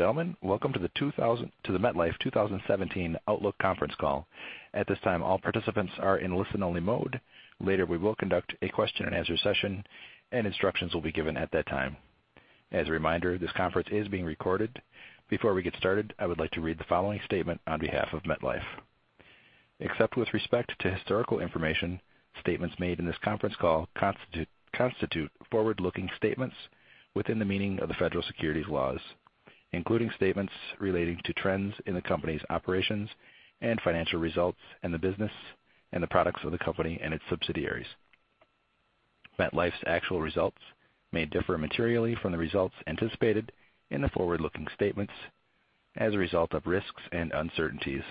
Ladies and gentlemen, welcome to the MetLife 2017 Outlook conference call. At this time, all participants are in listen-only mode. Later, we will conduct a question and answer session, and instructions will be given at that time. As a reminder, this conference is being recorded. Before we get started, I would like to read the following statement on behalf of MetLife. Except with respect to historical information, statements made in this conference call constitute forward-looking statements within the meaning of the Federal Securities laws, including statements relating to trends in the company's operations and financial results and the business and the products of the company and its subsidiaries. MetLife's actual results may differ materially from the results anticipated in the forward-looking statements as a result of risks and uncertainties,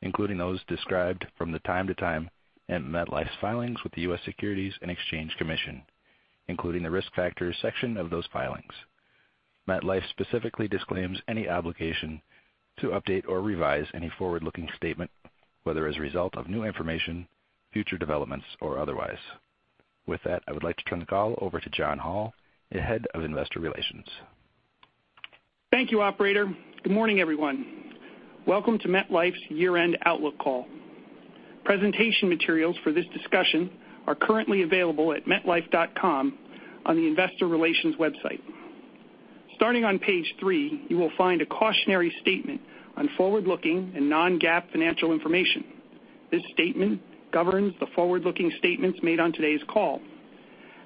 including those described from time to time in MetLife's filings with the U.S. Securities and Exchange Commission, including the Risk Factors section of those filings. MetLife specifically disclaims any obligation to update or revise any forward-looking statement, whether as a result of new information, future developments, or otherwise. With that, I would like to turn the call over to John Hall, the Head of Investor Relations. Thank you, operator. Good morning, everyone. Welcome to MetLife's year-end outlook call. Presentation materials for this discussion are currently available at metlife.com on the Investor Relations website. Starting on page three, you will find a cautionary statement on forward-looking and non-GAAP financial information. This statement governs the forward-looking statements made on today's call.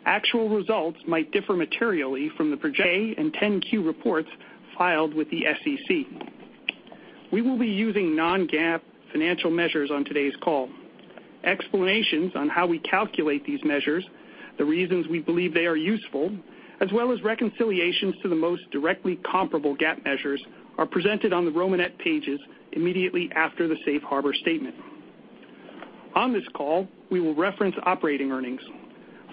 Actual results might differ materially from the 10-K and 10-Q reports filed with the SEC. We will be using non-GAAP financial measures on today's call. Explanations on how we calculate these measures, the reasons we believe they are useful, as well as reconciliations to the most directly comparable GAAP measures are presented on the Romanette pages immediately after the safe harbor statement. On this call, we will reference operating earnings.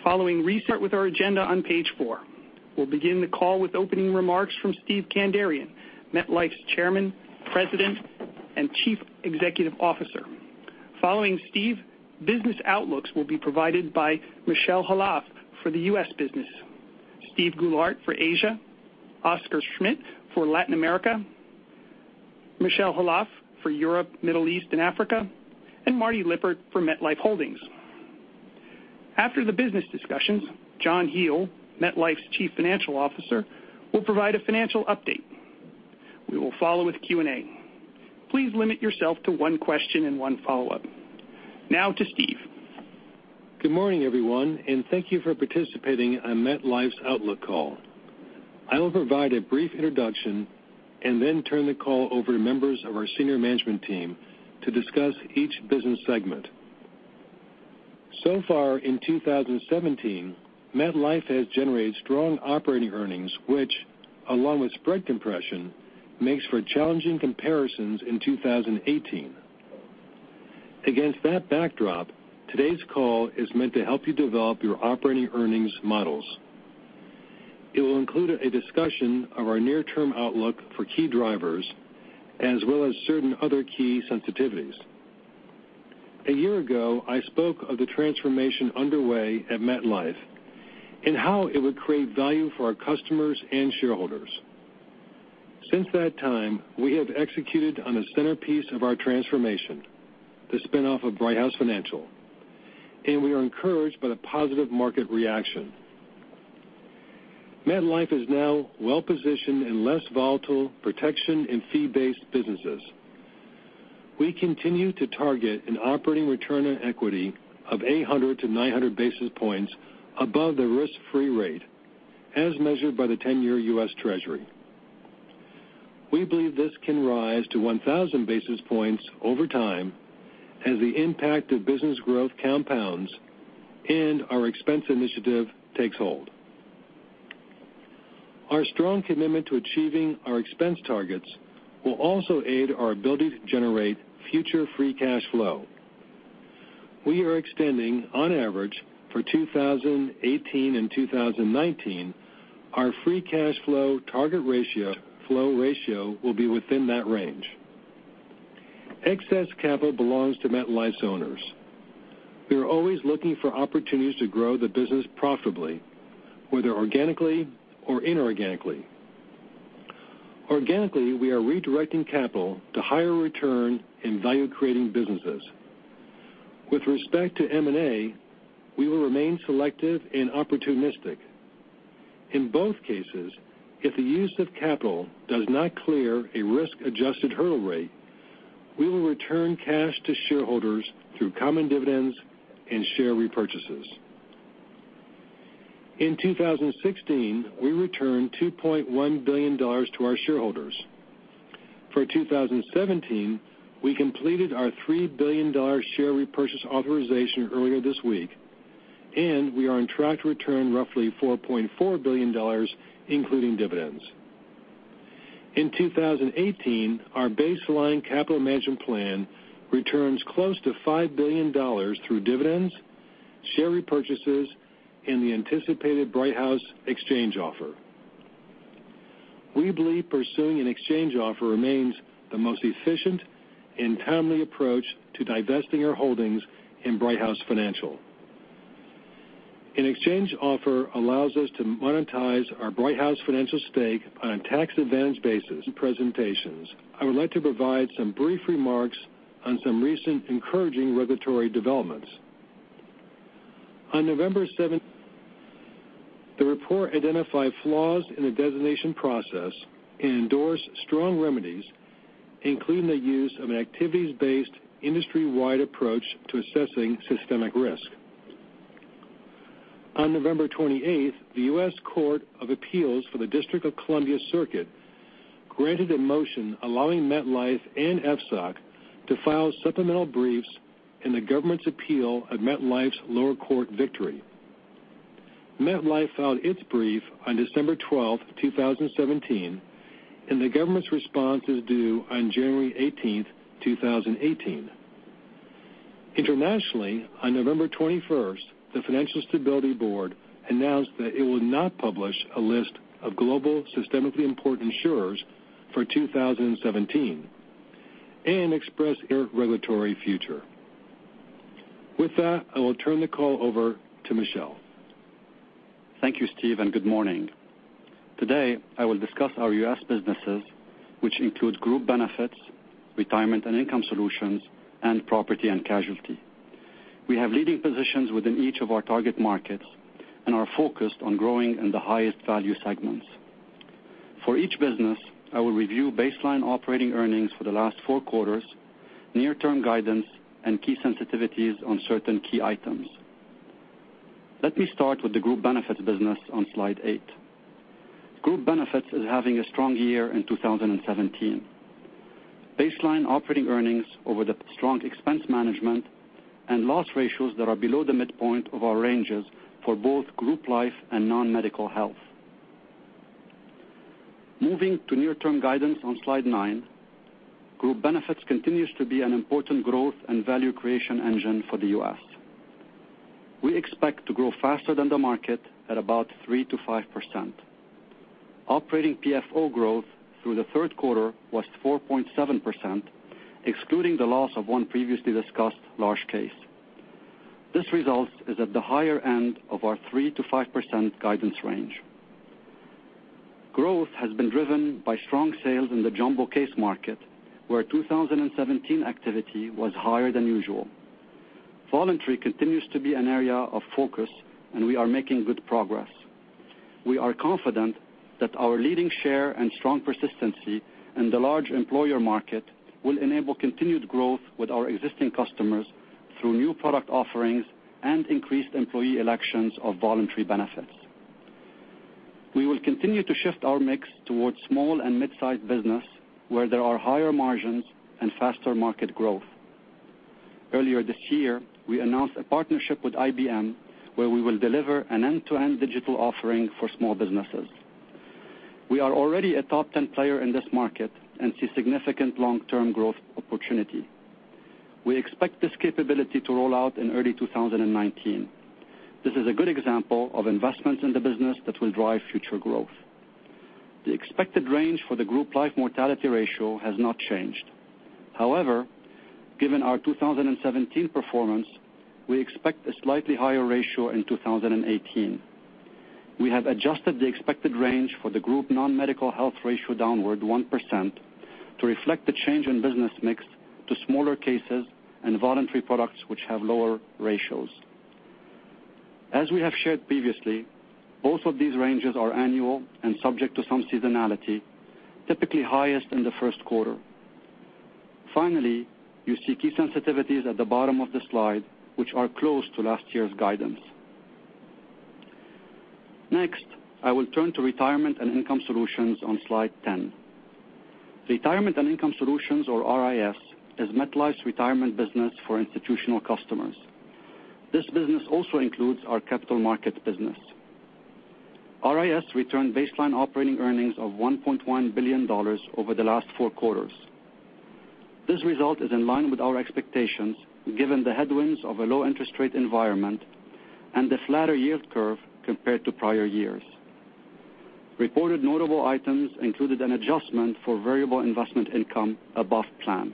Following, start with our agenda on page four. We'll begin the call with opening remarks from Steve Kandarian, MetLife's Chairman, President, and Chief Executive Officer. Following Steve, business outlooks will be provided by Michel Khalaf for the U.S. business, Steve Goulart for Asia, Oscar Schmidt for Latin America, Michel Khalaf for Europe, Middle East, and Africa, and Marty Lippert for MetLife Holdings. After the business discussions, John McCallion, MetLife's Chief Financial Officer, will provide a financial update. We will follow with Q&A. Please limit yourself to one question and one follow-up. Now to Steve. Good morning, everyone, and thank you for participating on MetLife's outlook call. I will provide a brief introduction and then turn the call over to members of our senior management team to discuss each business segment. So far in 2017, MetLife has generated strong operating earnings, which, along with spread compression, makes for challenging comparisons in 2018. Against that backdrop, today's call is meant to help you develop your operating earnings models. It will include a discussion of our near-term outlook for key drivers, as well as certain other key sensitivities. A year ago, I spoke of the transformation underway at MetLife and how it would create value for our customers and shareholders. Since that time, we have executed on the centerpiece of our transformation, the spin-off of Brighthouse Financial, and we are encouraged by the positive market reaction. MetLife is now well-positioned in less volatile protection and fee-based businesses. We continue to target an operating return on equity of 800-900 basis points above the risk-free rate, as measured by the 10-year U.S. Treasury. We believe this can rise to 1,000 basis points over time as the impact of business growth compounds and our expense initiative takes hold. Our strong commitment to achieving our expense targets will also aid our ability to generate future free cash flow. We are extending, on average, for 2018 and 2019, our free cash flow target ratio will be within that range. Excess capital belongs to MetLife's owners. We are always looking for opportunities to grow the business profitably, whether organically or inorganically. Organically, we are redirecting capital to higher return in value-creating businesses. With respect to M&A, we will remain selective and opportunistic. In both cases, if the use of capital does not clear a risk-adjusted hurdle rate, we will return cash to shareholders through common dividends and share repurchases. In 2016, we returned $2.1 billion to our shareholders. For 2017, we completed our $3 billion share repurchase authorization earlier this week, and we are on track to return roughly $4.4 billion, including dividends. In 2018, our baseline capital management plan returns close to $5 billion through dividends, share repurchases, and the anticipated Brighthouse exchange offer. We believe pursuing an exchange offer remains the most efficient and timely approach to divesting our holdings in Brighthouse Financial. An exchange offer allows us to monetize our Brighthouse Financial stake on a tax-advantaged basis. Presentations, I would like to provide some brief remarks on some recent encouraging regulatory developments. On November 17, the report identified flaws in the designation process and endorsed strong remedies, including the use of an activities-based, industry-wide approach to assessing systemic risk. On November 28th, the U.S. Court of Appeals for the D.C. Circuit granted a motion allowing MetLife and FSOC to file supplemental briefs in the government's appeal of MetLife's lower court victory. MetLife filed its brief on December 12th, 2017, and the government's response is due on January 18th, 2018. Internationally, on November 21st, the Financial Stability Board announced that it would not publish a list of global systemically important insurers for 2017 and express their regulatory future. With that, I will turn the call over to Michel. Thank you, Steve, and good morning. Today, I will discuss our U.S. businesses, which includes Group Benefits, Retirement and Income Solutions, and Property and Casualty. We have leading positions within each of our target markets and are focused on growing in the highest value segments. For each business, I will review baseline operating earnings for the last four quarters, near-term guidance, and key sensitivities on certain key items. Let me start with the Group Benefits business on slide eight. Group Benefits is having a strong year in 2017. Baseline operating earnings over the strong expense management and loss ratios that are below the midpoint of our ranges for both Group Life and Nonmedical Health. Moving to near-term guidance on slide nine. Group Benefits continues to be an important growth and value creation engine for the U.S. We expect to grow faster than the market at about 3% to 5%. Operating PFO growth through the third quarter was 4.7%, excluding the loss of one previously discussed large case. This result is at the higher end of our 3% to 5% guidance range. Growth has been driven by strong sales in the jumbo case market, where 2017 activity was higher than usual. Voluntary continues to be an area of focus, and we are making good progress. We are confident that our leading share and strong persistency in the large employer market will enable continued growth with our existing customers through new product offerings and increased employee elections of voluntary benefits. We will continue to shift our mix towards small and mid-size business, where there are higher margins and faster market growth. Earlier this year, we announced a partnership with IBM where we will deliver an end-to-end digital offering for small businesses. We are already a top 10 player in this market and see significant long-term growth opportunity. We expect this capability to roll out in early 2019. This is a good example of investments in the business that will drive future growth. The expected range for the Group Life mortality ratio has not changed. However, given our 2017 performance, we expect a slightly higher ratio in 2018. We have adjusted the expected range for the Group Nonmedical Health ratio downward 1% to reflect the change in business mix to smaller cases and voluntary products which have lower ratios. As we have shared previously, both of these ranges are annual and subject to some seasonality, typically highest in the first quarter. Finally, you see key sensitivities at the bottom of the slide, which are close to last year's guidance. Next, I will turn to Retirement and Income Solutions on slide 10. Retirement and Income Solutions, or RIS, is MetLife's retirement business for institutional customers. This business also includes our capital market business. RIS returned baseline operating earnings of $1.1 billion over the last four quarters. This result is in line with our expectations, given the headwinds of a low interest rate environment and the flatter yield curve compared to prior years. Reported notable items included an adjustment for variable investment income above plan.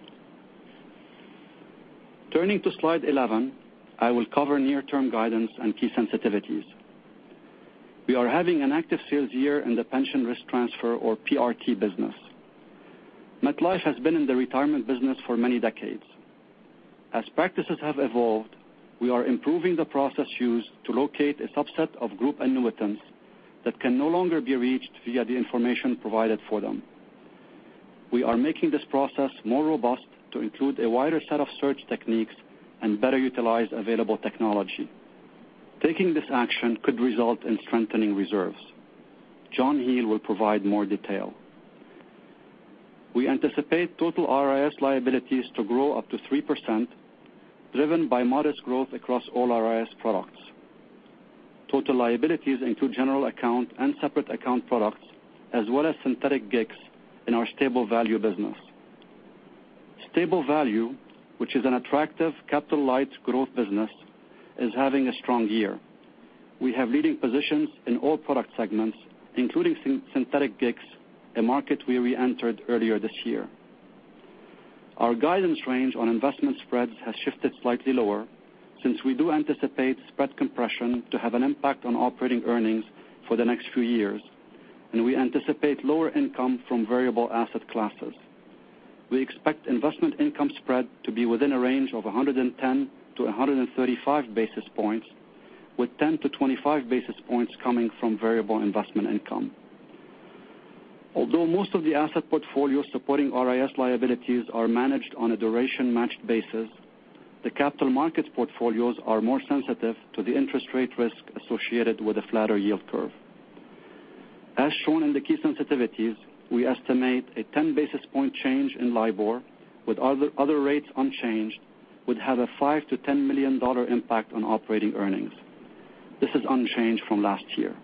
Turning to slide 11, I will cover near-term guidance and key sensitivities. We are having an active sales year in the pension risk transfer or PRT business. MetLife has been in the retirement business for many decades. As practices have evolved, we are improving the process used to locate a subset of group annuitants that can no longer be reached via the information provided for them. We are making this process more robust to include a wider set of search techniques and better utilize available technology. Taking this action could result in strengthening reserves. John McCallion will provide more detail. We anticipate total RIS liabilities to grow up to 3%, driven by modest growth across all RIS products. Total liabilities include general account and separate account products, as well as synthetic GICs in our stable value business. Stable value, which is an attractive capital-light growth business, is having a strong year. We have leading positions in all product segments, including synthetic GICs, a market we reentered earlier this year. Our guidance range on investment spreads has shifted slightly lower since we do anticipate spread compression to have an impact on operating earnings for the next few years, and we anticipate lower income from variable asset classes. We expect investment income spread to be within a range of 110 to 135 basis points, with 10 to 25 basis points coming from variable investment income. Although most of the asset portfolios supporting RIS liabilities are managed on a duration matched basis, the capital markets portfolios are more sensitive to the interest rate risk associated with a flatter yield curve. As shown in the key sensitivities, we estimate a 10 basis point change in LIBOR, with other rates unchanged, would have a $5 million-$10 million impact on operating earnings. This is unchanged from last year.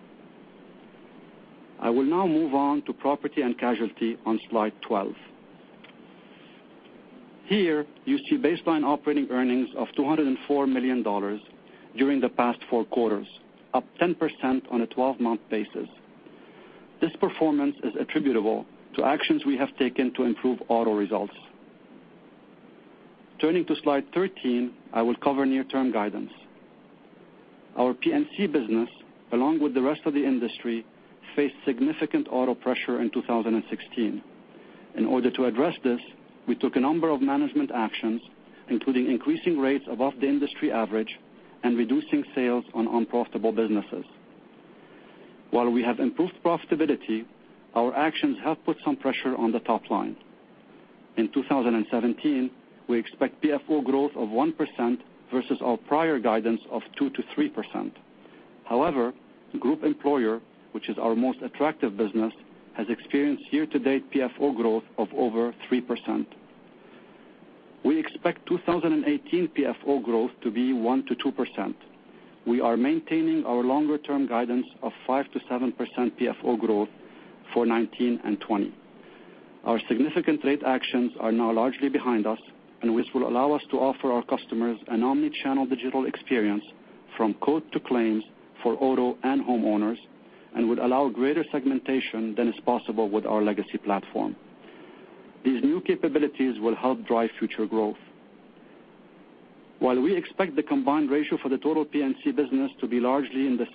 I will now move on to Property and Casualty on slide 12. Here, you see baseline operating earnings of $204 million during the past four quarters, up 10% on a 12-month basis. This performance is attributable to actions we have taken to improve auto results. Turning to slide 13, I will cover near-term guidance. Our P&C business, along with the rest of the industry, faced significant auto pressure in 2016. In order to address this, we took a number of management actions, including increasing rates above the industry average and reducing sales on unprofitable businesses. While we have improved profitability, our actions have put some pressure on the top line. In 2017, we expect PFO growth of 1% versus our prior guidance of 2%-3%. However, Group Benefits, which is our most attractive business, has experienced year-to-date PFO growth of over 3%. We expect 2018 PFO growth to be 1%-2%. We are maintaining our longer-term guidance of 5%-7% PFO growth for 2019 and 2020. Our significant rate actions are now largely behind us, which will allow us to offer our customers an omni-channel digital experience from quote to claims for auto and homeowners, and would allow greater segmentation than is possible with our legacy platform. These new capabilities will help drive future growth. While we expect the combined ratio for the total P&C business to be largely the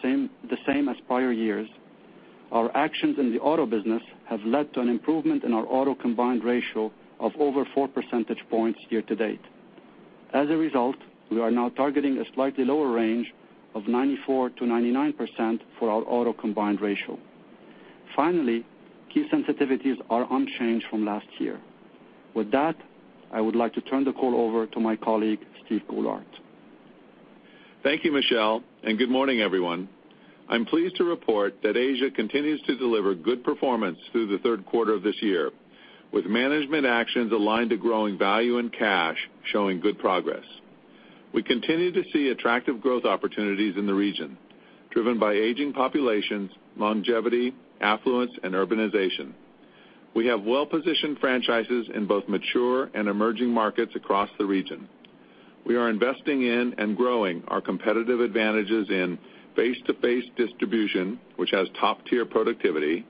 same as prior years, our actions in the auto business have led to an improvement in our auto combined ratio of over 4 percentage points year-to-date. As a result, we are now targeting a slightly lower range of 94%-99% for our auto combined ratio. Finally, key sensitivities are unchanged from last year. I would like to turn the call over to my colleague, Steve Goulart. Thank you, Michel, and good morning, everyone. I'm pleased to report that Asia continues to deliver good performance through the third quarter of this year, with management actions aligned to growing value and cash showing good progress. We continue to see attractive growth opportunities in the region, driven by aging populations, longevity, affluence, and urbanization. We have well-positioned franchises in both mature and emerging markets across the region. We are investing in and growing our competitive advantages in face-to-face distribution, which has top-tier productivity,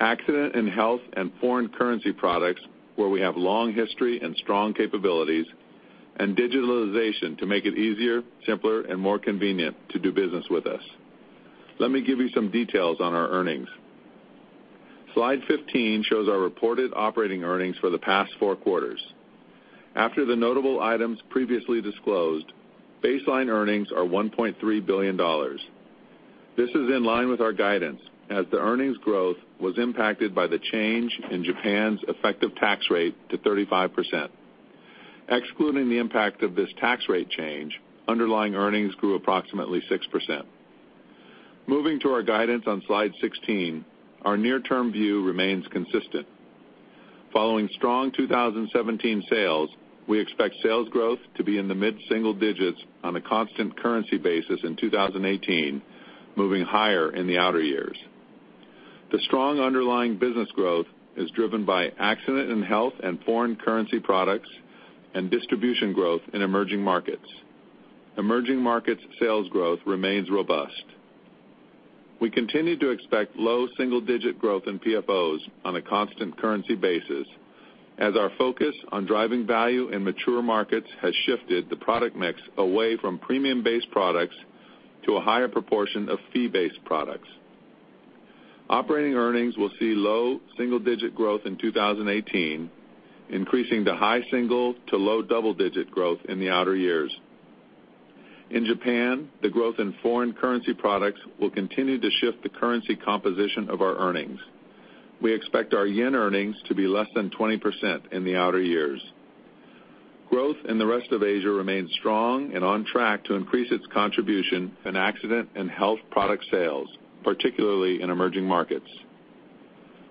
accident and health and foreign currency products, where we have long history and strong capabilities, and digitalization to make it easier, simpler, and more convenient to do business with us. Let me give you some details on our earnings. Slide 15 shows our reported operating earnings for the past four quarters. After the notable items previously disclosed, baseline earnings are $1.3 billion. This is in line with our guidance, as the earnings growth was impacted by the change in Japan's effective tax rate to 35%. Excluding the impact of this tax rate change, underlying earnings grew approximately 6%. Moving to our guidance on Slide 16, our near-term view remains consistent. Following strong 2017 sales, we expect sales growth to be in the mid-single digits on a constant currency basis in 2018, moving higher in the outer years. The strong underlying business growth is driven by accident and health and foreign currency products and distribution growth in emerging markets. Emerging markets sales growth remains robust. We continue to expect low double-digit growth in PFOs on a constant currency basis, as our focus on driving value in mature markets has shifted the product mix away from premium-based products to a higher proportion of fee-based products. Operating earnings will see low single-digit growth in 2018, increasing to high single to low double-digit growth in the outer years. In Japan, the growth in foreign currency products will continue to shift the currency composition of our earnings. We expect our yen earnings to be less than 20% in the outer years. Growth in the rest of Asia remains strong and on track to increase its contribution in accident and health product sales, particularly in emerging markets.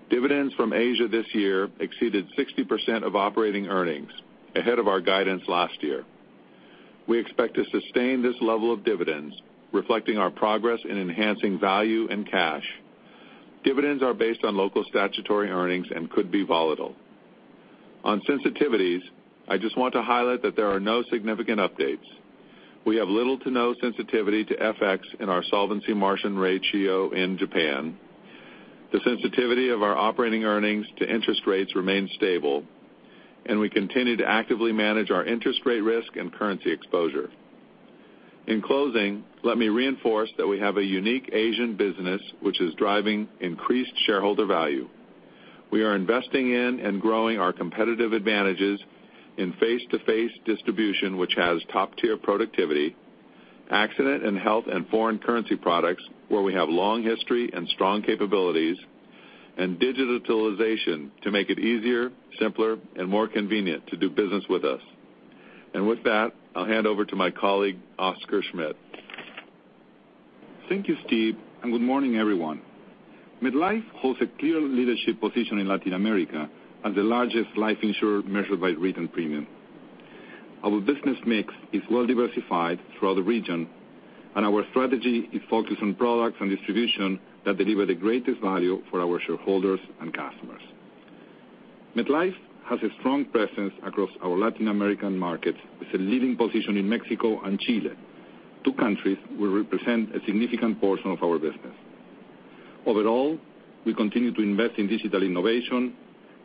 Dividends from Asia this year exceeded 60% of operating earnings, ahead of our guidance last year. We expect to sustain this level of dividends, reflecting our progress in enhancing value and cash. Dividends are based on local statutory earnings and could be volatile. On sensitivities, I just want to highlight that there are no significant updates. We have little to no sensitivity to FX in our solvency margin ratio in Japan. The sensitivity of our operating earnings to interest rates remain stable, and we continue to actively manage our interest rate risk and currency exposure. In closing, let me reinforce that we have a unique Asian business, which is driving increased shareholder value. We are investing in and growing our competitive advantages in face-to-face distribution, which has top-tier productivity, accident and health and foreign currency products, where we have long history and strong capabilities, and digitalization to make it easier, simpler, and more convenient to do business with us. With that, I'll hand over to my colleague, Oscar Schmidt. Thank you, Steve, and good morning, everyone. MetLife holds a clear leadership position in Latin America as the largest life insurer measured by written premium. Our business mix is well diversified throughout the region, and our strategy is focused on products and distribution that deliver the greatest value for our shareholders and customers. MetLife has a strong presence across our Latin American markets, with a leading position in Mexico and Chile, two countries will represent a significant portion of our business. Overall, we continue to invest in digital innovation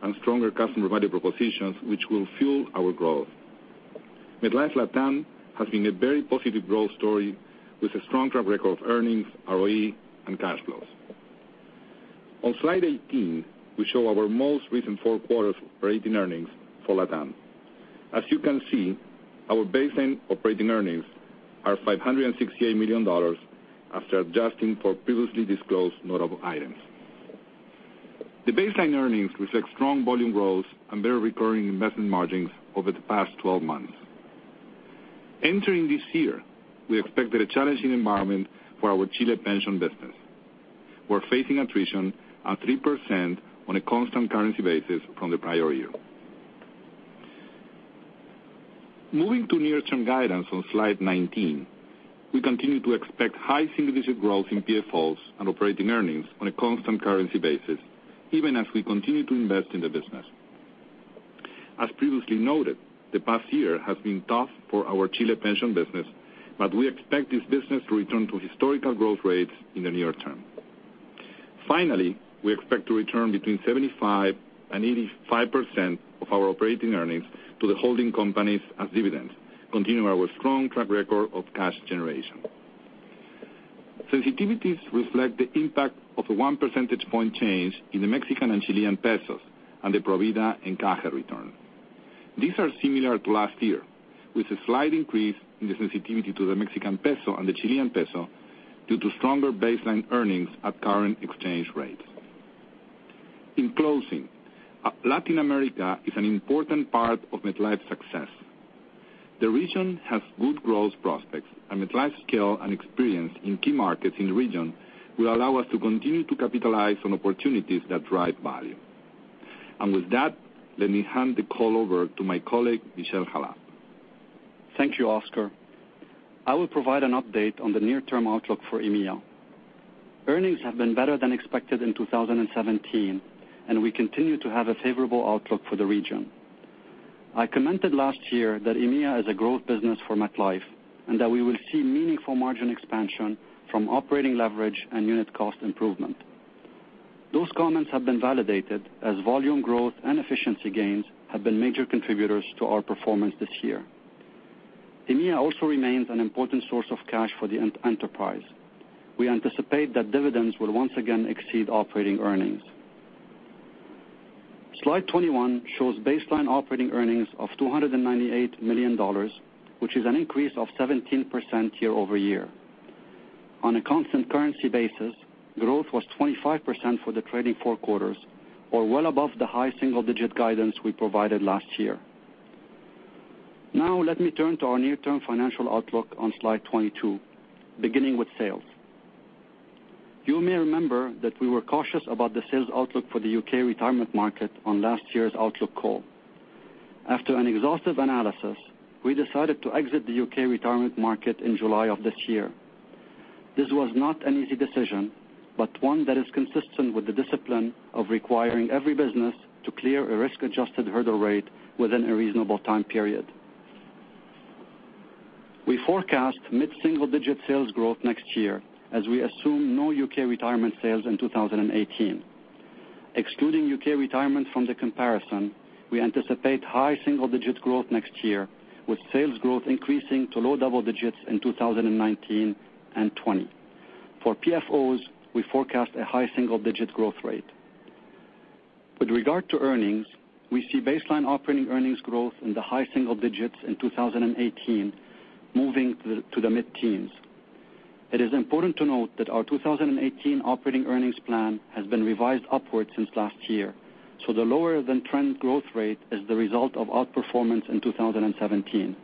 and stronger customer value propositions, which will fuel our growth. MetLife LatAm has been a very positive growth story with a strong track record of earnings, ROE, and cash flows. On slide 18, we show our most recent four quarters operating earnings for LatAm. As you can see, our baseline operating earnings are $568 million after adjusting for previously disclosed notable items. The baseline earnings reflect strong volume growth and better recurring investment margins over the past 12 months. Entering this year, we expect that a challenging environment for our Chile pension business. We are facing attrition at 3% on a constant currency basis from the prior year. Moving to near-term guidance on slide 19, we continue to expect high single-digit growth in PFOs and operating earnings on a constant currency basis, even as we continue to invest in the business. As previously noted, the past year has been tough for our Chile pension business, but we expect this business to return to historical growth rates in the near term. Finally, we expect to return between 75% and 85% of our operating earnings to the holding companies as dividends, continuing our strong track record of cash generation. Sensitivities reflect the impact of a one percentage point change in the Mexican and Chilean pesos and the AFP Provida S.A. and Caja return. These are similar to last year, with a slight increase in the sensitivity to the Mexican peso and the Chilean peso due to stronger baseline earnings at current exchange rates. In closing, Latin America is an important part of MetLife's success. The region has good growth prospects, MetLife's scale and experience in key markets in the region will allow us to continue to capitalize on opportunities that drive value. With that, let me hand the call over to my colleague, Michel Khalaf. Thank you, Oscar. I will provide an update on the near-term outlook for EMEA. Earnings have been better than expected in 2017, we continue to have a favorable outlook for the region. I commented last year that EMEA is a growth business for MetLife, that we will see meaningful margin expansion from operating leverage and unit cost improvement. Those comments have been validated as volume growth and efficiency gains have been major contributors to our performance this year. EMEA also remains an important source of cash for the enterprise. We anticipate that dividends will once again exceed operating earnings. Slide 21 shows baseline operating earnings of $298 million, which is an increase of 17% year-over-year. On a constant currency basis, growth was 25% for the trailing four quarters or well above the high single-digit guidance we provided last year. Let me turn to our near-term financial outlook on slide 22, beginning with sales. You may remember that we were cautious about the sales outlook for the U.K. retirement market on last year's outlook call. After an exhaustive analysis, we decided to exit the U.K. retirement market in July of this year. This was not an easy decision, but one that is consistent with the discipline of requiring every business to clear a risk-adjusted hurdle rate within a reasonable time period. We forecast mid-single-digit sales growth next year as we assume no U.K. retirement sales in 2018. Excluding U.K. retirement from the comparison, we anticipate high single-digit growth next year, with sales growth increasing to low double digits in 2019 and 2020. For PFOs, we forecast a high single-digit growth rate. With regard to earnings, we see baseline operating earnings growth in the high single digits in 2018, moving to the mid-teens. It is important to note that our 2018 operating earnings plan has been revised upward since last year, so the lower than trend growth rate is the result of outperformance in 2017.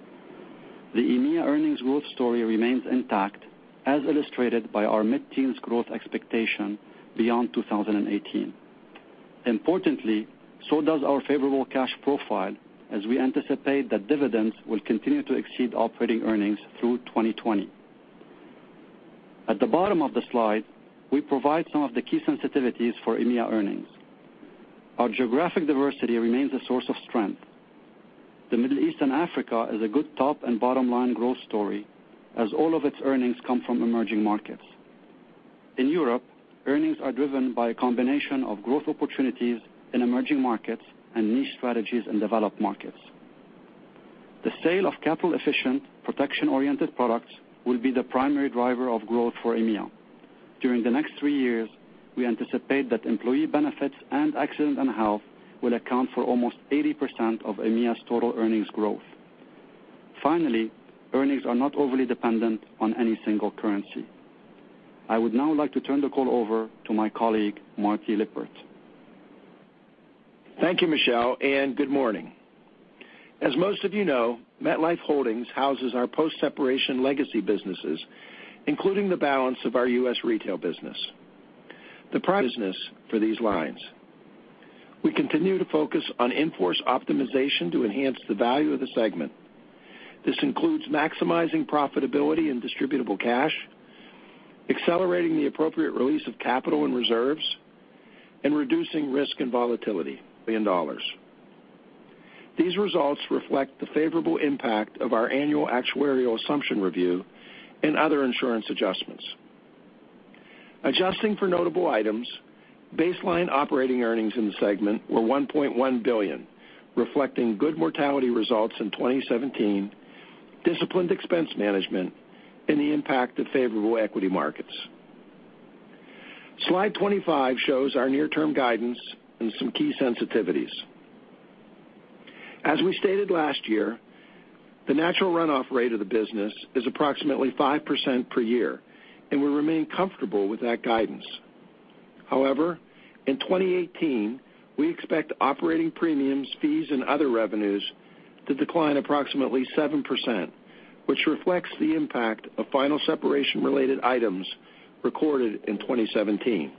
The EMEA earnings growth story remains intact, as illustrated by our mid-teens growth expectation beyond 2018. Importantly, so does our favorable cash profile, as we anticipate that dividends will continue to exceed operating earnings through 2020. At the bottom of the slide, we provide some of the key sensitivities for EMEA earnings. Our geographic diversity remains a source of strength. The Middle East and Africa is a good top and bottom-line growth story, as all of its earnings come from emerging markets. In Europe, earnings are driven by a combination of growth opportunities in emerging markets and niche strategies in developed markets. The sale of capital-efficient, protection-oriented products will be the primary driver of growth for EMEA. During the next three years, we anticipate that employee benefits and accident and health will account for almost 80% of EMEA's total earnings growth. Earnings are not overly dependent on any single currency. I would now like to turn the call over to my colleague, Marty Lippert. Thank you, Michel, and good morning. As most of you know, MetLife Holdings houses our post-separation legacy businesses, including the balance of our U.S. retail business. The business for these lines. We continue to focus on in-force optimization to enhance the value of the segment. This includes maximizing profitability and distributable cash, accelerating the appropriate release of capital and reserves, and reducing risk and volatility in dollars. These results reflect the favorable impact of our annual actuarial assumption review and other insurance adjustments. Adjusting for notable items, baseline operating earnings in the segment were $1.1 billion, reflecting good mortality results in 2017, disciplined expense management, and the impact of favorable equity markets. Slide 25 shows our near-term guidance and some key sensitivities. As we stated last year, the natural runoff rate of the business is approximately 5% per year, and we remain comfortable with that guidance. In 2018, we expect operating premiums, fees, and other revenues to decline approximately 7%, which reflects the impact of final separation-related items recorded in 2017.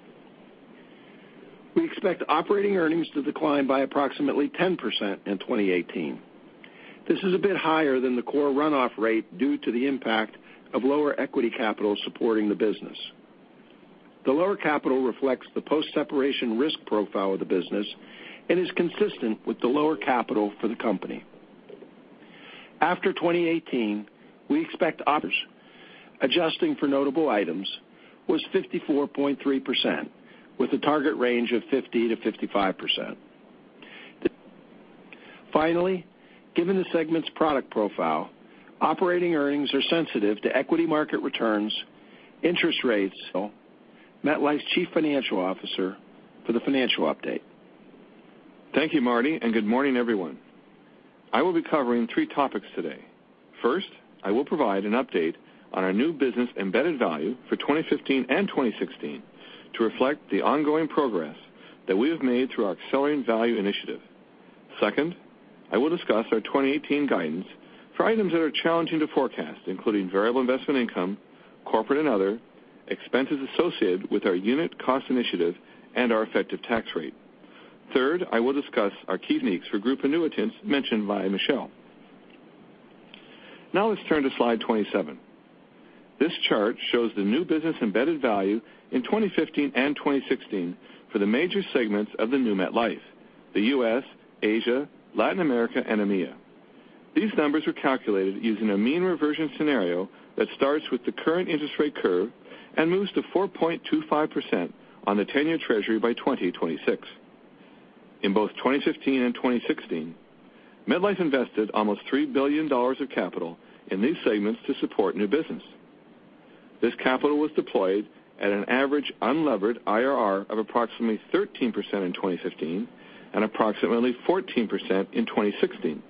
We expect operating earnings to decline by approximately 10% in 2018. This is a bit higher than the core runoff rate due to the impact of lower equity capital supporting the business. The lower capital reflects the post-separation risk profile of the business and is consistent with the lower capital for the company. After 2018, we expect offers adjusting for notable items was 54.3%, with a target range of 50%-55%. Given the segment's product profile, operating earnings are sensitive to equity market returns, interest rates. MetLife's chief financial officer for the financial update. Thank you, Marty, good morning, everyone. I will be covering three topics today. First, I will provide an update on our new business-embedded value for 2015 and 2016 to reflect the ongoing progress that we have made through our Accelerating Value initiative. Second, I will discuss our 2018 guidance for items that are challenging to forecast, including variable investment income, corporate and other, expenses associated with our unit cost initiative, and our effective tax rate. Third, I will discuss our key for group annuitants mentioned by Michel. Let's turn to slide 27. This chart shows the new business-embedded value in 2015 and 2016 for the major segments of the new MetLife: the U.S., Asia, Latin America, and EMEA. These numbers were calculated using a mean reversion scenario that starts with the current interest rate curve and moves to 4.25% on the 10-year treasury by 2026. In both 2015 and 2016, MetLife invested almost $3 billion of capital in these segments to support new business. This capital was deployed at an average unlevered IRR of approximately 13% in 2015 and approximately 14% in 2016.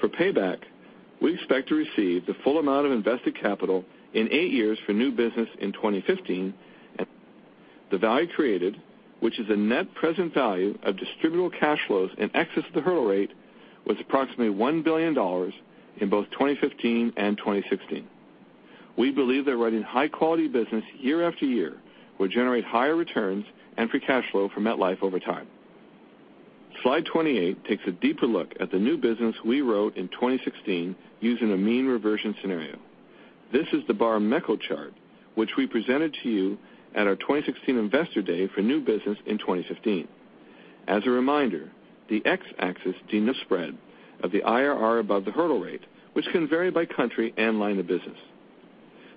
For payback, we expect to receive the full amount of invested capital in eight years for new business in 2015. The value created, which is a net present value of distributable cash flows in excess of the hurdle rate, was approximately $1 billion in both 2015 and 2016. We believe that writing high-quality business year after year will generate higher returns and free cash flow for MetLife over time. Slide 28 takes a deeper look at the new business we wrote in 2016 using a mean reversion scenario. This is the bar Mekko chart, which we presented to you at our 2016 Investor Day for new business in 2015. As a reminder, the x-axis spread of the IRR above the hurdle rate, which can vary by country and line of business.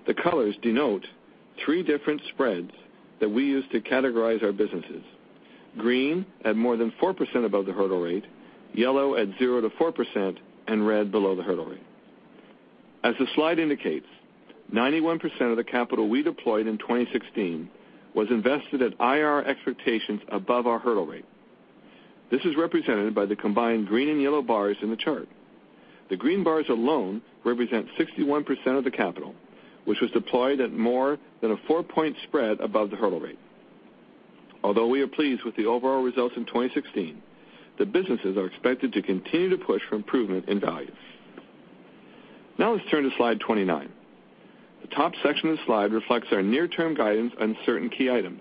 The colors denote three different spreads that we use to categorize our businesses. Green at more than 4% above the hurdle rate, yellow at 0%-4%, and red below the hurdle rate. As the slide indicates, 91% of the capital we deployed in 2016 was invested at IRR expectations above our hurdle rate. This is represented by the combined green and yellow bars in the chart. The green bars alone represent 61% of the capital, which was deployed at more than a four-point spread above the hurdle rate. We are pleased with the overall results in 2016, the businesses are expected to continue to push for improvement in value. Let's turn to slide 29. The top section of the slide reflects our near-term guidance on certain key items.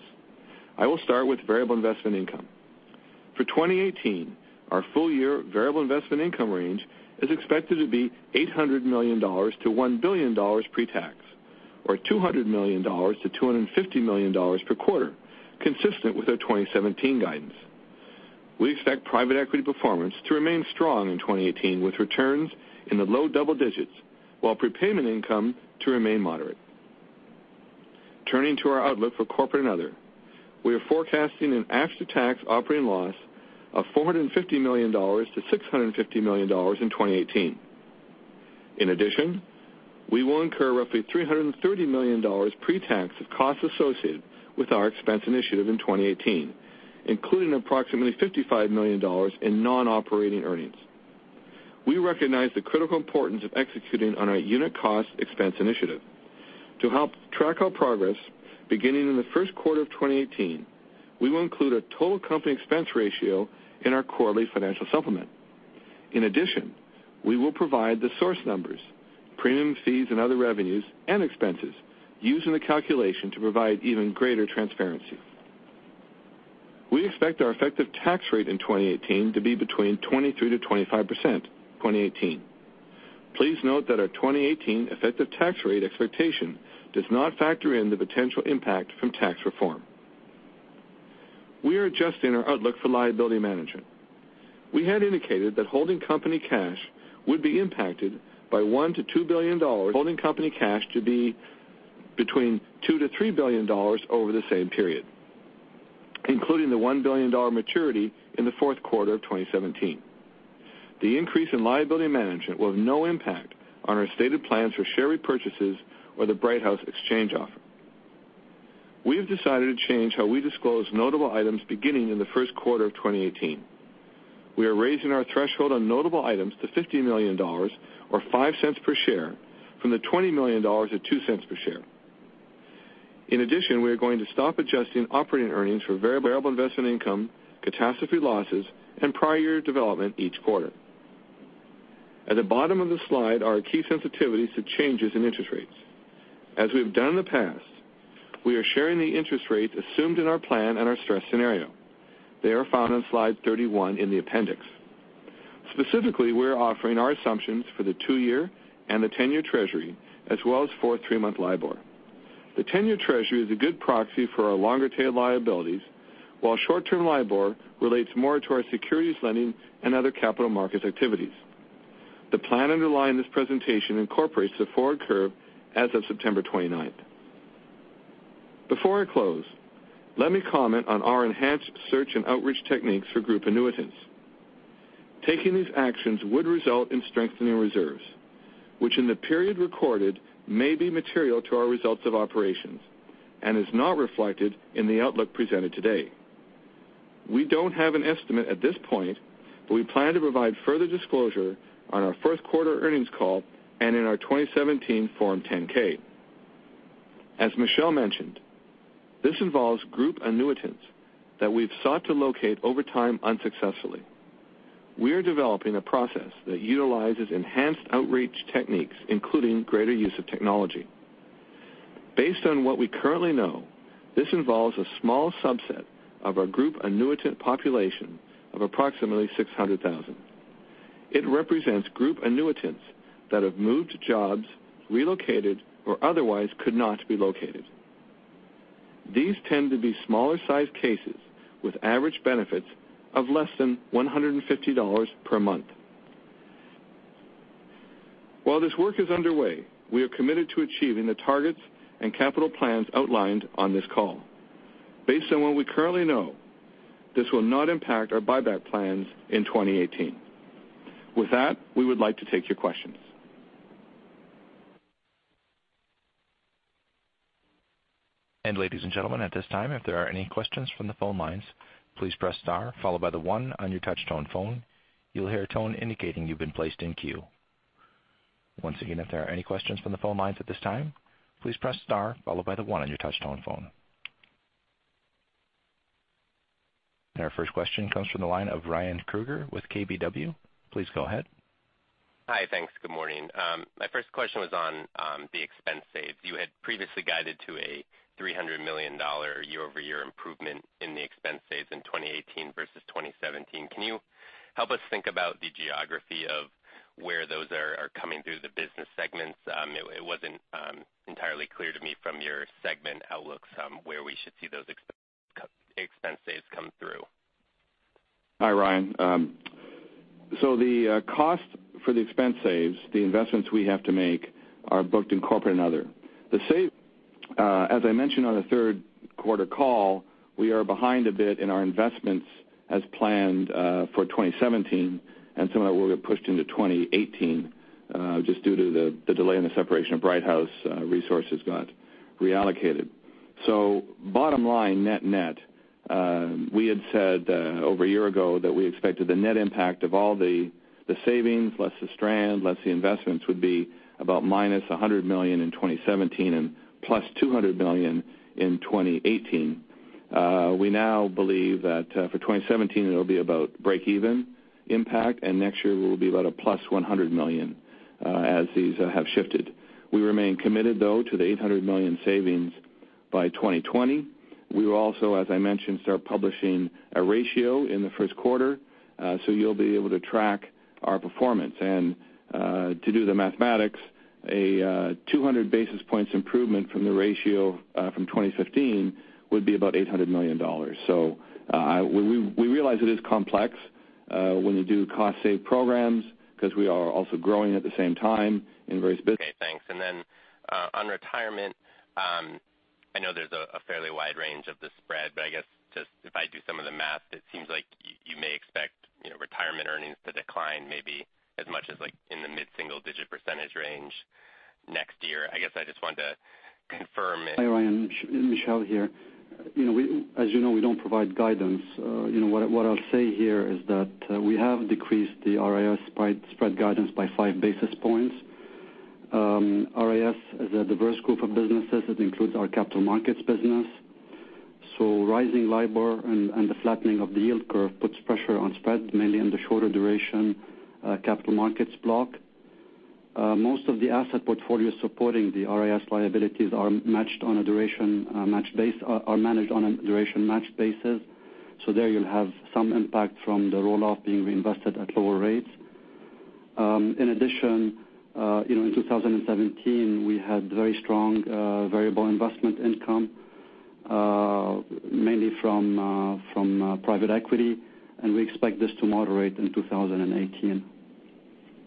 I will start with variable investment income. For 2018, our full-year variable investment income range is expected to be $800 million-$1 billion pre-tax, or $200 million-$250 million per quarter, consistent with our 2017 guidance. We expect private equity performance to remain strong in 2018, with returns in the low double digits, while prepayment income to remain moderate. Turning to our outlook for corporate and other, we are forecasting an after-tax operating loss of $450 million-$650 million in 2018. In addition, we will incur roughly $330 million pre-tax of costs associated with our expense initiative in 2018, including approximately $55 million in non-operating earnings. We recognize the critical importance of executing on our unit cost expense initiative. To help track our progress, beginning in the first quarter of 2018, we will include a total company expense ratio in our quarterly financial supplement. In addition, we will provide the source numbers, premium fees and other revenues and expenses used in the calculation to provide even greater transparency. We expect our effective tax rate in 2018 to be between 23%-25% in 2018. Please note that our 2018 effective tax rate expectation does not factor in the potential impact from tax reform. We are adjusting our outlook for liability management. We had indicated that holding company cash would be impacted by $1 billion-$2 billion. Holding company cash to be between $2 billion-$3 billion over the same period, including the $1 billion maturity in the fourth quarter of 2017. The increase in liability management will have no impact on our stated plans for share repurchases or the Brighthouse exchange offer. We have decided to change how we disclose notable items beginning in the first quarter of 2018. We are raising our threshold on notable items to $50 million or $0.05 per share from the $20 million or $0.02 per share. In addition, we are going to stop adjusting operating earnings for variable investment income, catastrophe losses, and prior year development each quarter. At the bottom of the slide are our key sensitivities to changes in interest rates. As we've done in the past, we are sharing the interest rates assumed in our plan and our stress scenario. They are found on slide 31 in the appendix. Specifically, we're offering our assumptions for the two-year and the 10-year Treasury, as well as for three-month LIBOR. The 10-year Treasury is a good proxy for our longer-tail liabilities, while short-term LIBOR relates more to our securities lending and other capital markets activities. The plan underlying this presentation incorporates the forward curve as of September 29th. Before I close, let me comment on our enhanced search and outreach techniques for group annuitants. Taking these actions would result in strengthening reserves, which in the period recorded may be material to our results of operations and is not reflected in the outlook presented today. We don't have an estimate at this point, but we plan to provide further disclosure on our first quarter earnings call and in our 2017 Form 10-K. As Michel mentioned, this involves group annuitants that we've sought to locate over time unsuccessfully. We are developing a process that utilizes enhanced outreach techniques, including greater use of technology. Based on what we currently know, this involves a small subset of our group annuitant population of approximately 600,000. It represents group annuitants that have moved jobs, relocated, or otherwise could not be located. These tend to be smaller-sized cases with average benefits of less than $150 per month. While this work is underway, we are committed to achieving the targets and capital plans outlined on this call. Based on what we currently know, this will not impact our buyback plans in 2018. With that, we would like to take your questions. Ladies and gentlemen, at this time, if there are any questions from the phone lines, please press star followed by the one on your touch tone phone. You'll hear a tone indicating you've been placed in queue. Once again, if there are any questions from the phone lines at this time, please press star followed by the one on your touch tone phone. Our first question comes from the line of Ryan Krueger with KBW. Please go ahead. Hi. Thanks. Good morning. My first question was on the expense saves. You had previously guided to a $300 million year-over-year improvement in the expense saves in 2018 versus 2017. Can you help us think about the geography of where those are coming through the business segments? It wasn't entirely clear to me from your segment outlook where we should see those expense saves come through. Hi, Ryan. The cost for the expense saves, the investments we have to make are booked in corporate and other. As I mentioned on the third quarter call, we are behind a bit in our investments as planned for 2017, and some of that will get pushed into 2018 just due to the delay in the separation of Brighthouse resources got reallocated. Bottom line, net-net, we had said over a year ago that we expected the net impact of all the savings, plus the strand, plus the investments would be about -$100 million in 2017 and +$200 million in 2018. We now believe that for 2017, it'll be about breakeven impact, and next year will be about a +$100 million as these have shifted. We remain committed, though, to the $800 million savings By 2020. We will also, as I mentioned, start publishing a ratio in the first quarter, so you'll be able to track our performance. To do the mathematics, a 200 basis points improvement from the ratio from 2015 would be about $800 million. We realize it is complex when you do cost save programs because we are also growing at the same time in various business. Okay, thanks. On retirement, I know there's a fairly wide range of the spread, but I guess, if I do some of the math, it seems like you may expect retirement earnings to decline maybe as much as in the mid-single-digit percentage range next year. I guess I just wanted to confirm if. Hi, Ryan. Michel here. As you know, we don't provide guidance. What I'll say here is that we have decreased the RIS spread guidance by five basis points. RIS is a diverse group of businesses. It includes our capital markets business. Rising LIBOR and the flattening of the yield curve puts pressure on spread, mainly in the shorter duration capital markets block. Most of the asset portfolios supporting the RIS liabilities are managed on a duration matched basis. There you'll have some impact from the roll-off being reinvested at lower rates. In addition, in 2017, we had very strong variable investment income, mainly from private equity, and we expect this to moderate in 2018.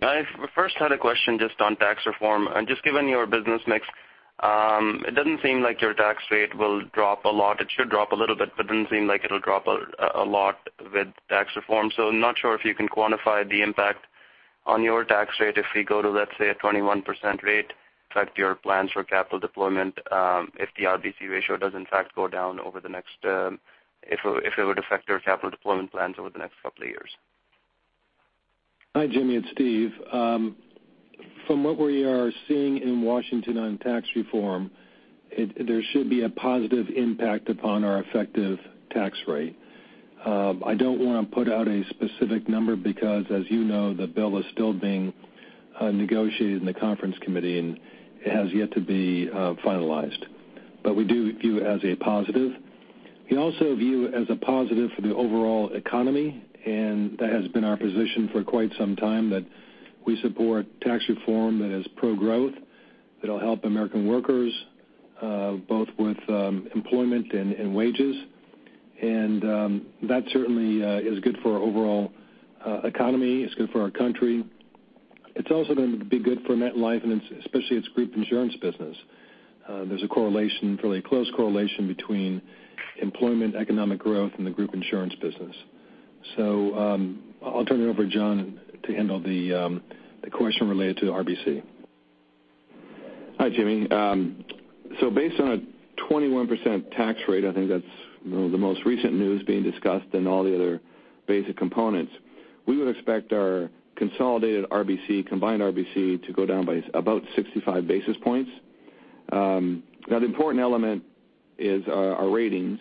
I first had a question just on tax reform, given your business mix, it doesn't seem like your tax rate will drop a lot. It should drop a little bit, doesn't seem like it'll drop a lot with tax reform. Not sure if you can quantify the impact on your tax rate if we go to, let's say, a 21% rate, affect your plans for capital deployment if the RBC ratio does in fact go down over the next couple of years. Hi, Jimmy, it's Steve. From what we are seeing in Washington on tax reform, there should be a positive impact upon our effective tax rate. I don't want to put out a specific number because, as you know, the bill is still being negotiated in the conference committee, and it has yet to be finalized. We do view it as a positive. We also view it as a positive for the overall economy, and that has been our position for quite some time that we support tax reform that is pro-growth, that'll help American workers, both with employment and wages. That certainly is good for our overall economy. It's good for our country. It's also going to be good for MetLife and especially its group insurance business. There's a correlation, fairly close correlation between employment, economic growth, and the group insurance business. I'll turn it over to John to handle the question related to RBC. Hi, Jimmy. Based on a 21% tax rate, I think that's the most recent news being discussed and all the other basic components, we would expect our consolidated RBC, combined RBC, to go down by about 65 basis points. The important element is our ratings,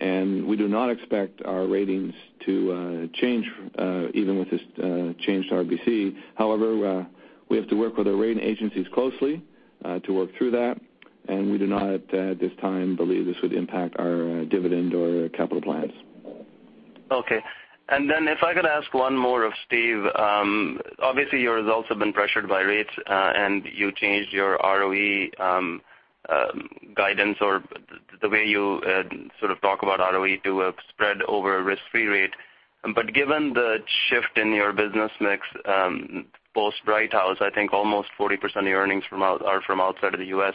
and we do not expect our ratings to change even with this change to RBC. We have to work with our rating agencies closely to work through that, and we do not, at this time, believe this would impact our dividend or capital plans. Okay. If I could ask one more of Steve. Obviously, your results have been pressured by rates, and you changed your ROE guidance or the way you sort of talk about ROE to a spread over a risk-free rate. Given the shift in your business mix post Brighthouse, I think almost 40% of your earnings are from outside of the U.S.,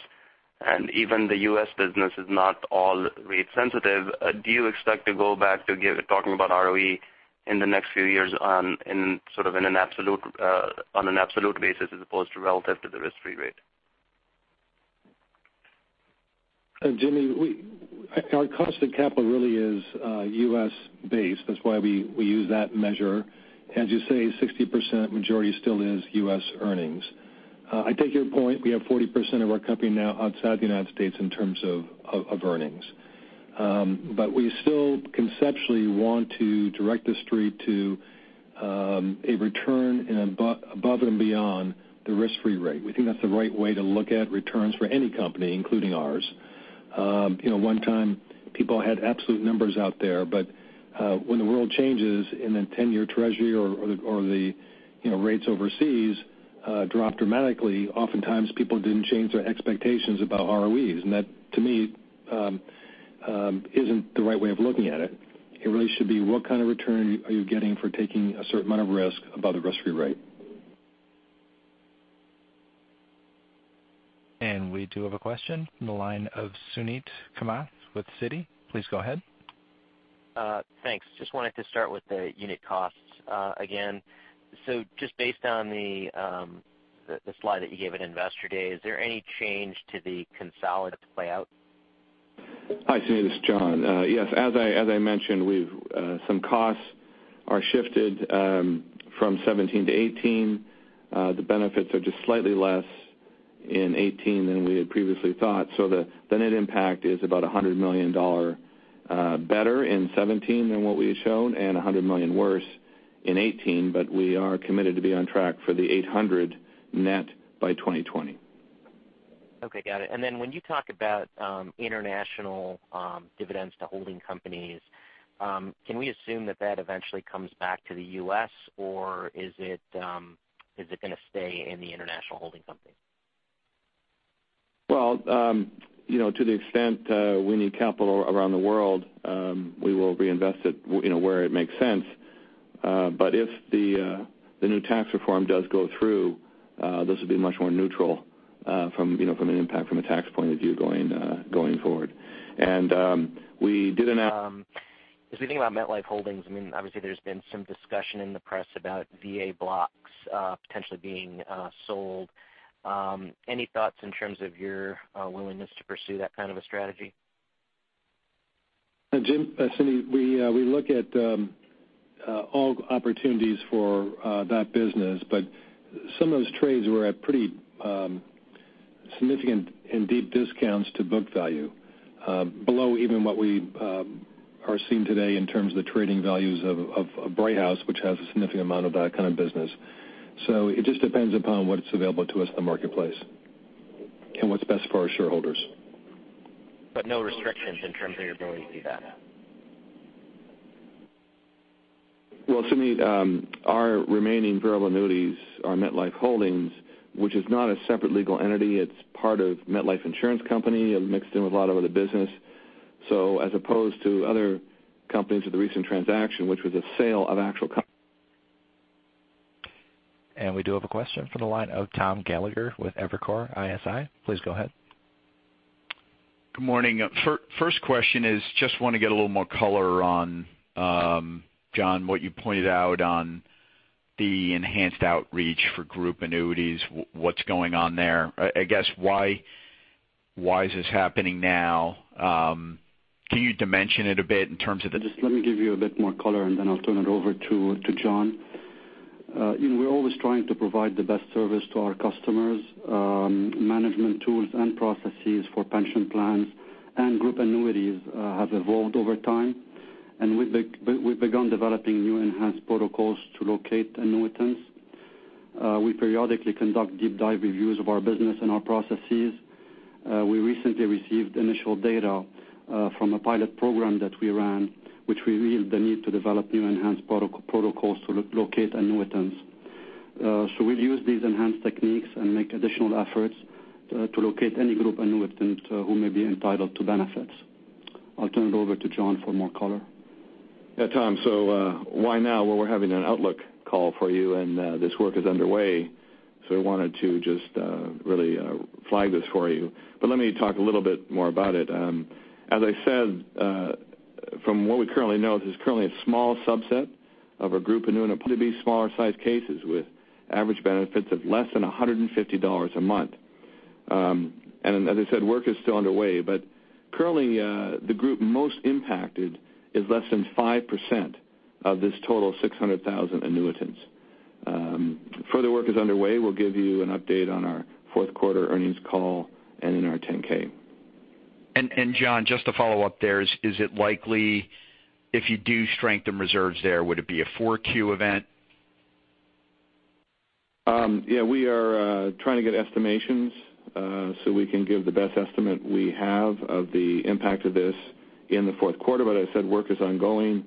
and even the U.S. business is not all rate sensitive. Do you expect to go back to talking about ROE in the next few years on an absolute basis as opposed to relative to the risk-free rate? Jimmy, our cost of capital really is U.S.-based. That's why we use that measure. As you say, 60% majority still is U.S. earnings. I take your point. We have 40% of our company now outside the United States in terms of earnings. We still conceptually want to direct the street to a return above and beyond the risk-free rate. We think that's the right way to look at returns for any company, including ours. At one time people had absolute numbers out there, when the world changes in a 10-year treasury or the rates overseas drop dramatically, oftentimes people didn't change their expectations about ROEs. That, to me, isn't the right way of looking at it. It really should be what kind of return are you getting for taking a certain amount of risk above the risk-free rate? We do have a question from the line of Suneet Kamath with Citi. Please go ahead. Thanks. Just wanted to start with the unit costs again. Just based on the slide that you gave at Investor Day, is there any change to the consolidated playout? Hi, Suneet. It's John. Yes, as I mentioned, some costs are shifted from 2017 to 2018. The benefits are just slightly less in 2018 than we had previously thought. The net impact is about $100 million better in 2017 than what we had shown, and $100 million worse in 2018. We are committed to be on track for the $800 net by 2020. Okay, got it. When you talk about international dividends to holding companies, can we assume that that eventually comes back to the U.S., or is it going to stay in the international holding company? Well, to the extent we need capital around the world, we will reinvest it where it makes sense. If the new tax reform does go through, this will be much more neutral from an impact from a tax point of view going forward. If we think about MetLife Holdings, obviously there's been some discussion in the press about VA blocks potentially being sold. Any thoughts in terms of your willingness to pursue that kind of a strategy? Suneet, we look at all opportunities for that business, some of those trades were at pretty significant and deep discounts to book value, below even what we are seeing today in terms of the trading values of Brighthouse, which has a significant amount of that kind of business. It just depends upon what's available to us in the marketplace and what's best for our shareholders. No restrictions in terms of your ability to do that? Well, Suneet, our remaining variable annuities are MetLife Holdings, which is not a separate legal entity. It's part of MetLife Insurance Company, mixed in with a lot of other business. As opposed to other companies with the recent transaction, which was a sale of actual- We do have a question from the line of Thomas Gallagher with Evercore ISI. Please go ahead. Good morning. First question is, just want to get a little more color on, John, what you pointed out on the enhanced outreach for group annuities, what's going on there? I guess why is this happening now? Can you dimension it a bit in terms of the- Just let me give you a bit more color, and then I'll turn it over to John. We're always trying to provide the best service to our customers. Management tools and processes for pension plans and group annuities have evolved over time, and we've begun developing new enhanced protocols to locate annuitants. We periodically conduct deep dive reviews of our business and our processes. We recently received initial data from a pilot program that we ran, which revealed the need to develop new enhanced protocols to locate annuitants. We'll use these enhanced techniques and make additional efforts to locate any group annuitant who may be entitled to benefits. I'll turn it over to John for more color. Yeah, Tom. Why now? Well, we're having an outlook call for you, and this work is underway, so we wanted to just really flag this for you. Let me talk a little bit more about it. As I said, from what we currently know, this is currently a small subset of our group annuity, smaller sized cases with average benefits of less than $150 a month. As I said, work is still underway, but currently, the group most impacted is less than 5% of this total of 600,000 annuitants. Further work is underway. We'll give you an update on our fourth quarter earnings call and in our 10-K. John, just to follow up there, is it likely if you do strengthen reserves there, would it be a 4Q event? Yeah, we are trying to get estimations so we can give the best estimate we have of the impact of this in the fourth quarter. As I said, work is ongoing.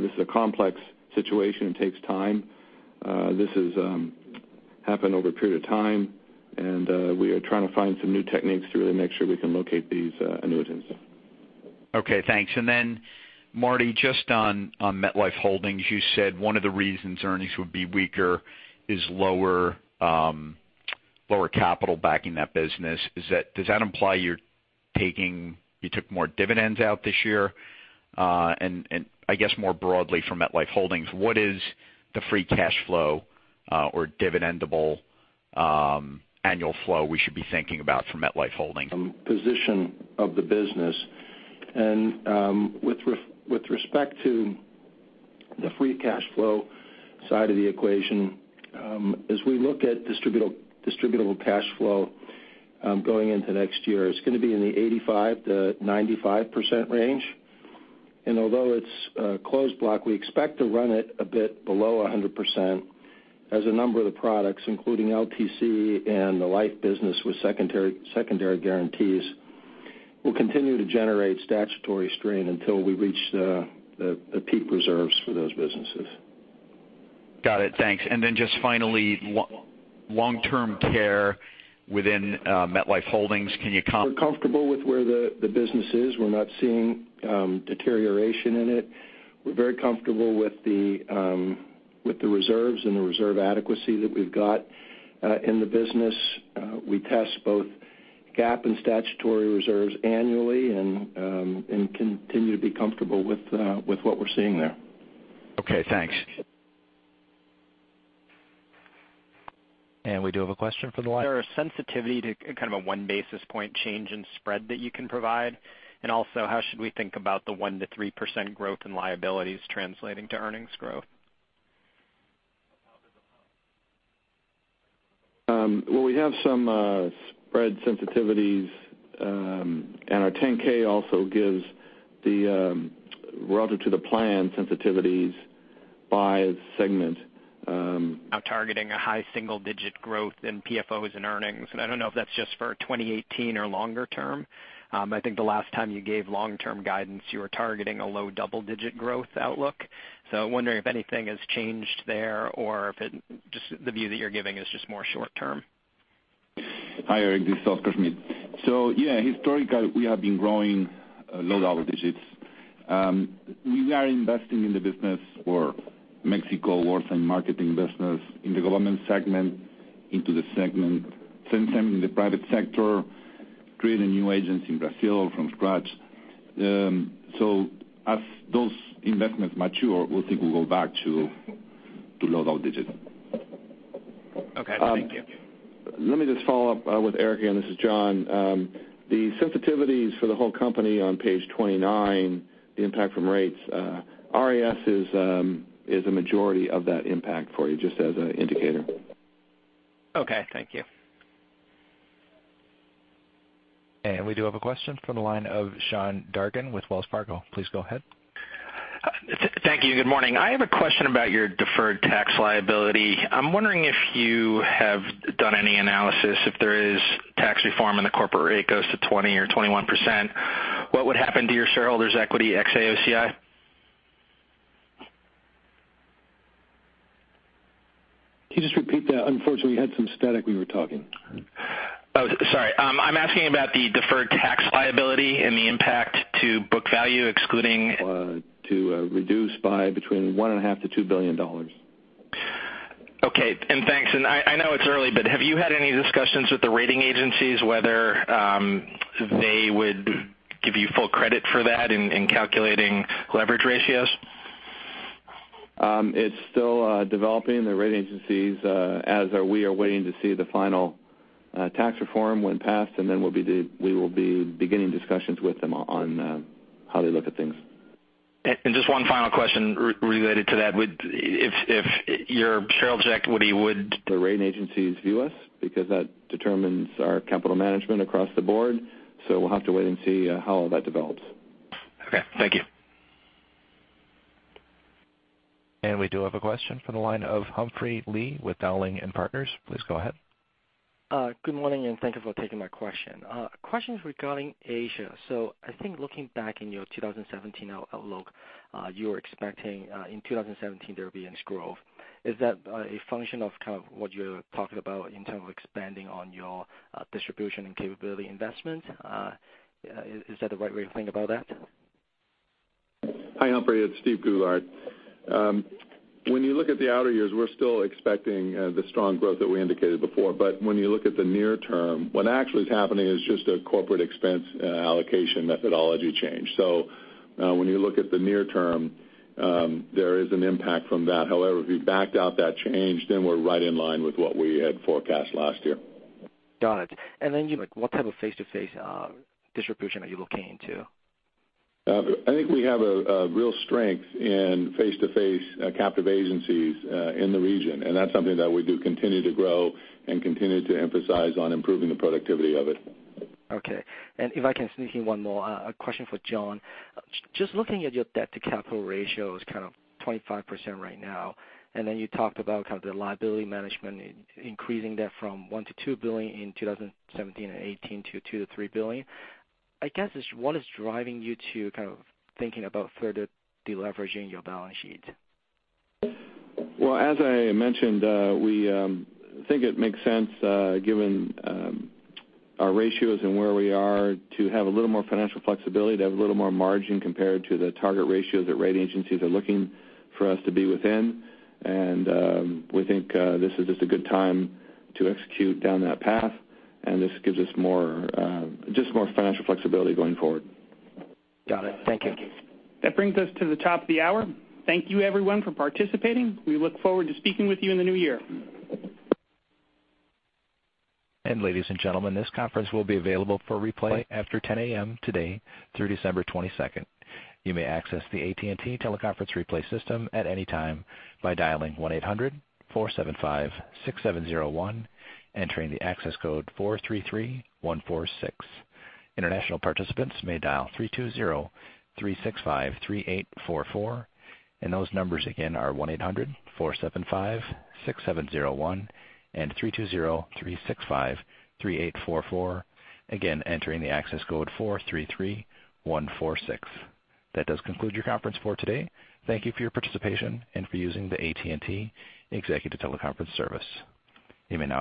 This is a complex situation. It takes time. This has happened over a period of time, and we are trying to find some new techniques to really make sure we can locate these annuitants. Okay, thanks. Marty, just on MetLife Holdings, you said one of the reasons earnings would be weaker is lower capital backing that business. Does that imply you took more dividends out this year? I guess more broadly for MetLife Holdings, what is the free cash flow or dividendable annual flow we should be thinking about for MetLife Holdings? Position of the business. With respect to the free cash flow side of the equation, as we look at distributable cash flow going into next year, it's going to be in the 85%-95% range. Although it's a closed block, we expect to run it a bit below 100% as a number of the products, including LTC and the life business with secondary guarantees, will continue to generate statutory strain until we reach the peak reserves for those businesses. Got it. Thanks. Just finally, long-term care within MetLife Holdings, can you We're comfortable with where the business is. We're not seeing deterioration in it. We're very comfortable with the reserves and the reserve adequacy that we've got in the business. We test both GAAP and statutory reserves annually and continue to be comfortable with what we're seeing there. Okay, thanks. We do have a question from the line. Is there a sensitivity to kind of a one basis point change in spread that you can provide? Also, how should we think about the 1%-3% growth in liabilities translating to earnings growth? Well, we have some spread sensitivities, and our 10-K also gives the relative to the plan sensitivities by segment. Now targeting a high single-digit growth in PFOs and earnings. I don't know if that's just for 2018 or longer-term. I think the last time you gave long-term guidance, you were targeting a low double-digit growth outlook. Wondering if anything has changed there or if the view that you're giving is just more short-term. Hi, Eric, this is Oscar Schmidt. Yeah, historically, we have been growing low double digits. We are investing in the business for Mexico, we're in marketing business in the government segment, same time in the private sector, creating new agents in Brazil from scratch. As those investments mature, we think we'll go back to low double digits. Okay. Thank you. Let me just follow up with Eric again. This is John. The sensitivities for the whole company on page 29, the impact from rates, RIS is a majority of that impact for you, just as an indicator. Okay. Thank you. We do have a question from the line of Sean Dargan with Wells Fargo. Please go ahead. Thank you. Good morning. I have a question about your deferred tax liability. I'm wondering if you have done any analysis, if there is tax reform and the corporate rate goes to 20 or 21%, what would happen to your shareholders equity ex AOCI? Can you just repeat that? Unfortunately, we had some static when we were talking. Oh, sorry. I'm asking about the deferred tax liability and the impact to book value, excluding- To reduce by between $1.5 billion-$2 billion. Okay. Thanks. I know it's early, have you had any discussions with the rating agencies whether they would give you full credit for that in calculating leverage ratios? It's still developing. The rating agencies, as are we, are waiting to see the final tax reform when passed, then we will be beginning discussions with them on how they look at things. Just one final question related to that. If your shareholders' equity The rating agencies view us because that determines our capital management across the board. We'll have to wait and see how that develops. Okay. Thank you. We do have a question from the line of Humphrey Lee with Dowling & Partners. Please go ahead. Good morning, and thank you for taking my question. Question regarding Asia. I think looking back in your 2017 outlook, you were expecting in 2017 there would be growth. Is that a function of kind of what you're talking about in terms of expanding on your distribution and capability investment? Is that the right way to think about that? Hi, Humphrey. It's Steve Goulart. When you look at the outer years, we're still expecting the strong growth that we indicated before. When you look at the near term, what actually is happening is just a corporate expense allocation methodology change. When you look at the near term, there is an impact from that. However, if you backed out that change, then we're right in line with what we had forecast last year. Got it. What type of face-to-face distribution are you looking into? I think we have a real strength in face-to-face captive agencies in the region, and that's something that we do continue to grow and continue to emphasize on improving the productivity of it. If I can sneak in one more. A question for John. Looking at your debt-to-capital ratio is kind of 25% right now. You talked about kind of the liability management, increasing that from $1 billion to $2 billion in 2017 and 2018 to $2 billion to $3 billion. I guess, what is driving you to kind of thinking about further deleveraging your balance sheet? Well, as I mentioned, we think it makes sense given our ratios and where we are to have a little more financial flexibility, to have a little more margin compared to the target ratios that rating agencies are looking for us to be within. We think this is just a good time to execute down that path, and this gives us just more financial flexibility going forward. Got it. Thank you. That brings us to the top of the hour. Thank you everyone for participating. We look forward to speaking with you in the new year. Ladies and gentlemen, this conference will be available for replay after 10:00 A.M. today through December 22nd. You may access the AT&T teleconference replay system at any time by dialing 1-800-475-6701, entering the access code 433146. International participants may dial 320-365-3844, and those numbers again are 1-800-475-6701 and 320-365-3844. Again, entering the access code 433146. That does conclude your conference for today. Thank you for your participation and for using the AT&T Executive Teleconference Service. You may now disconnect.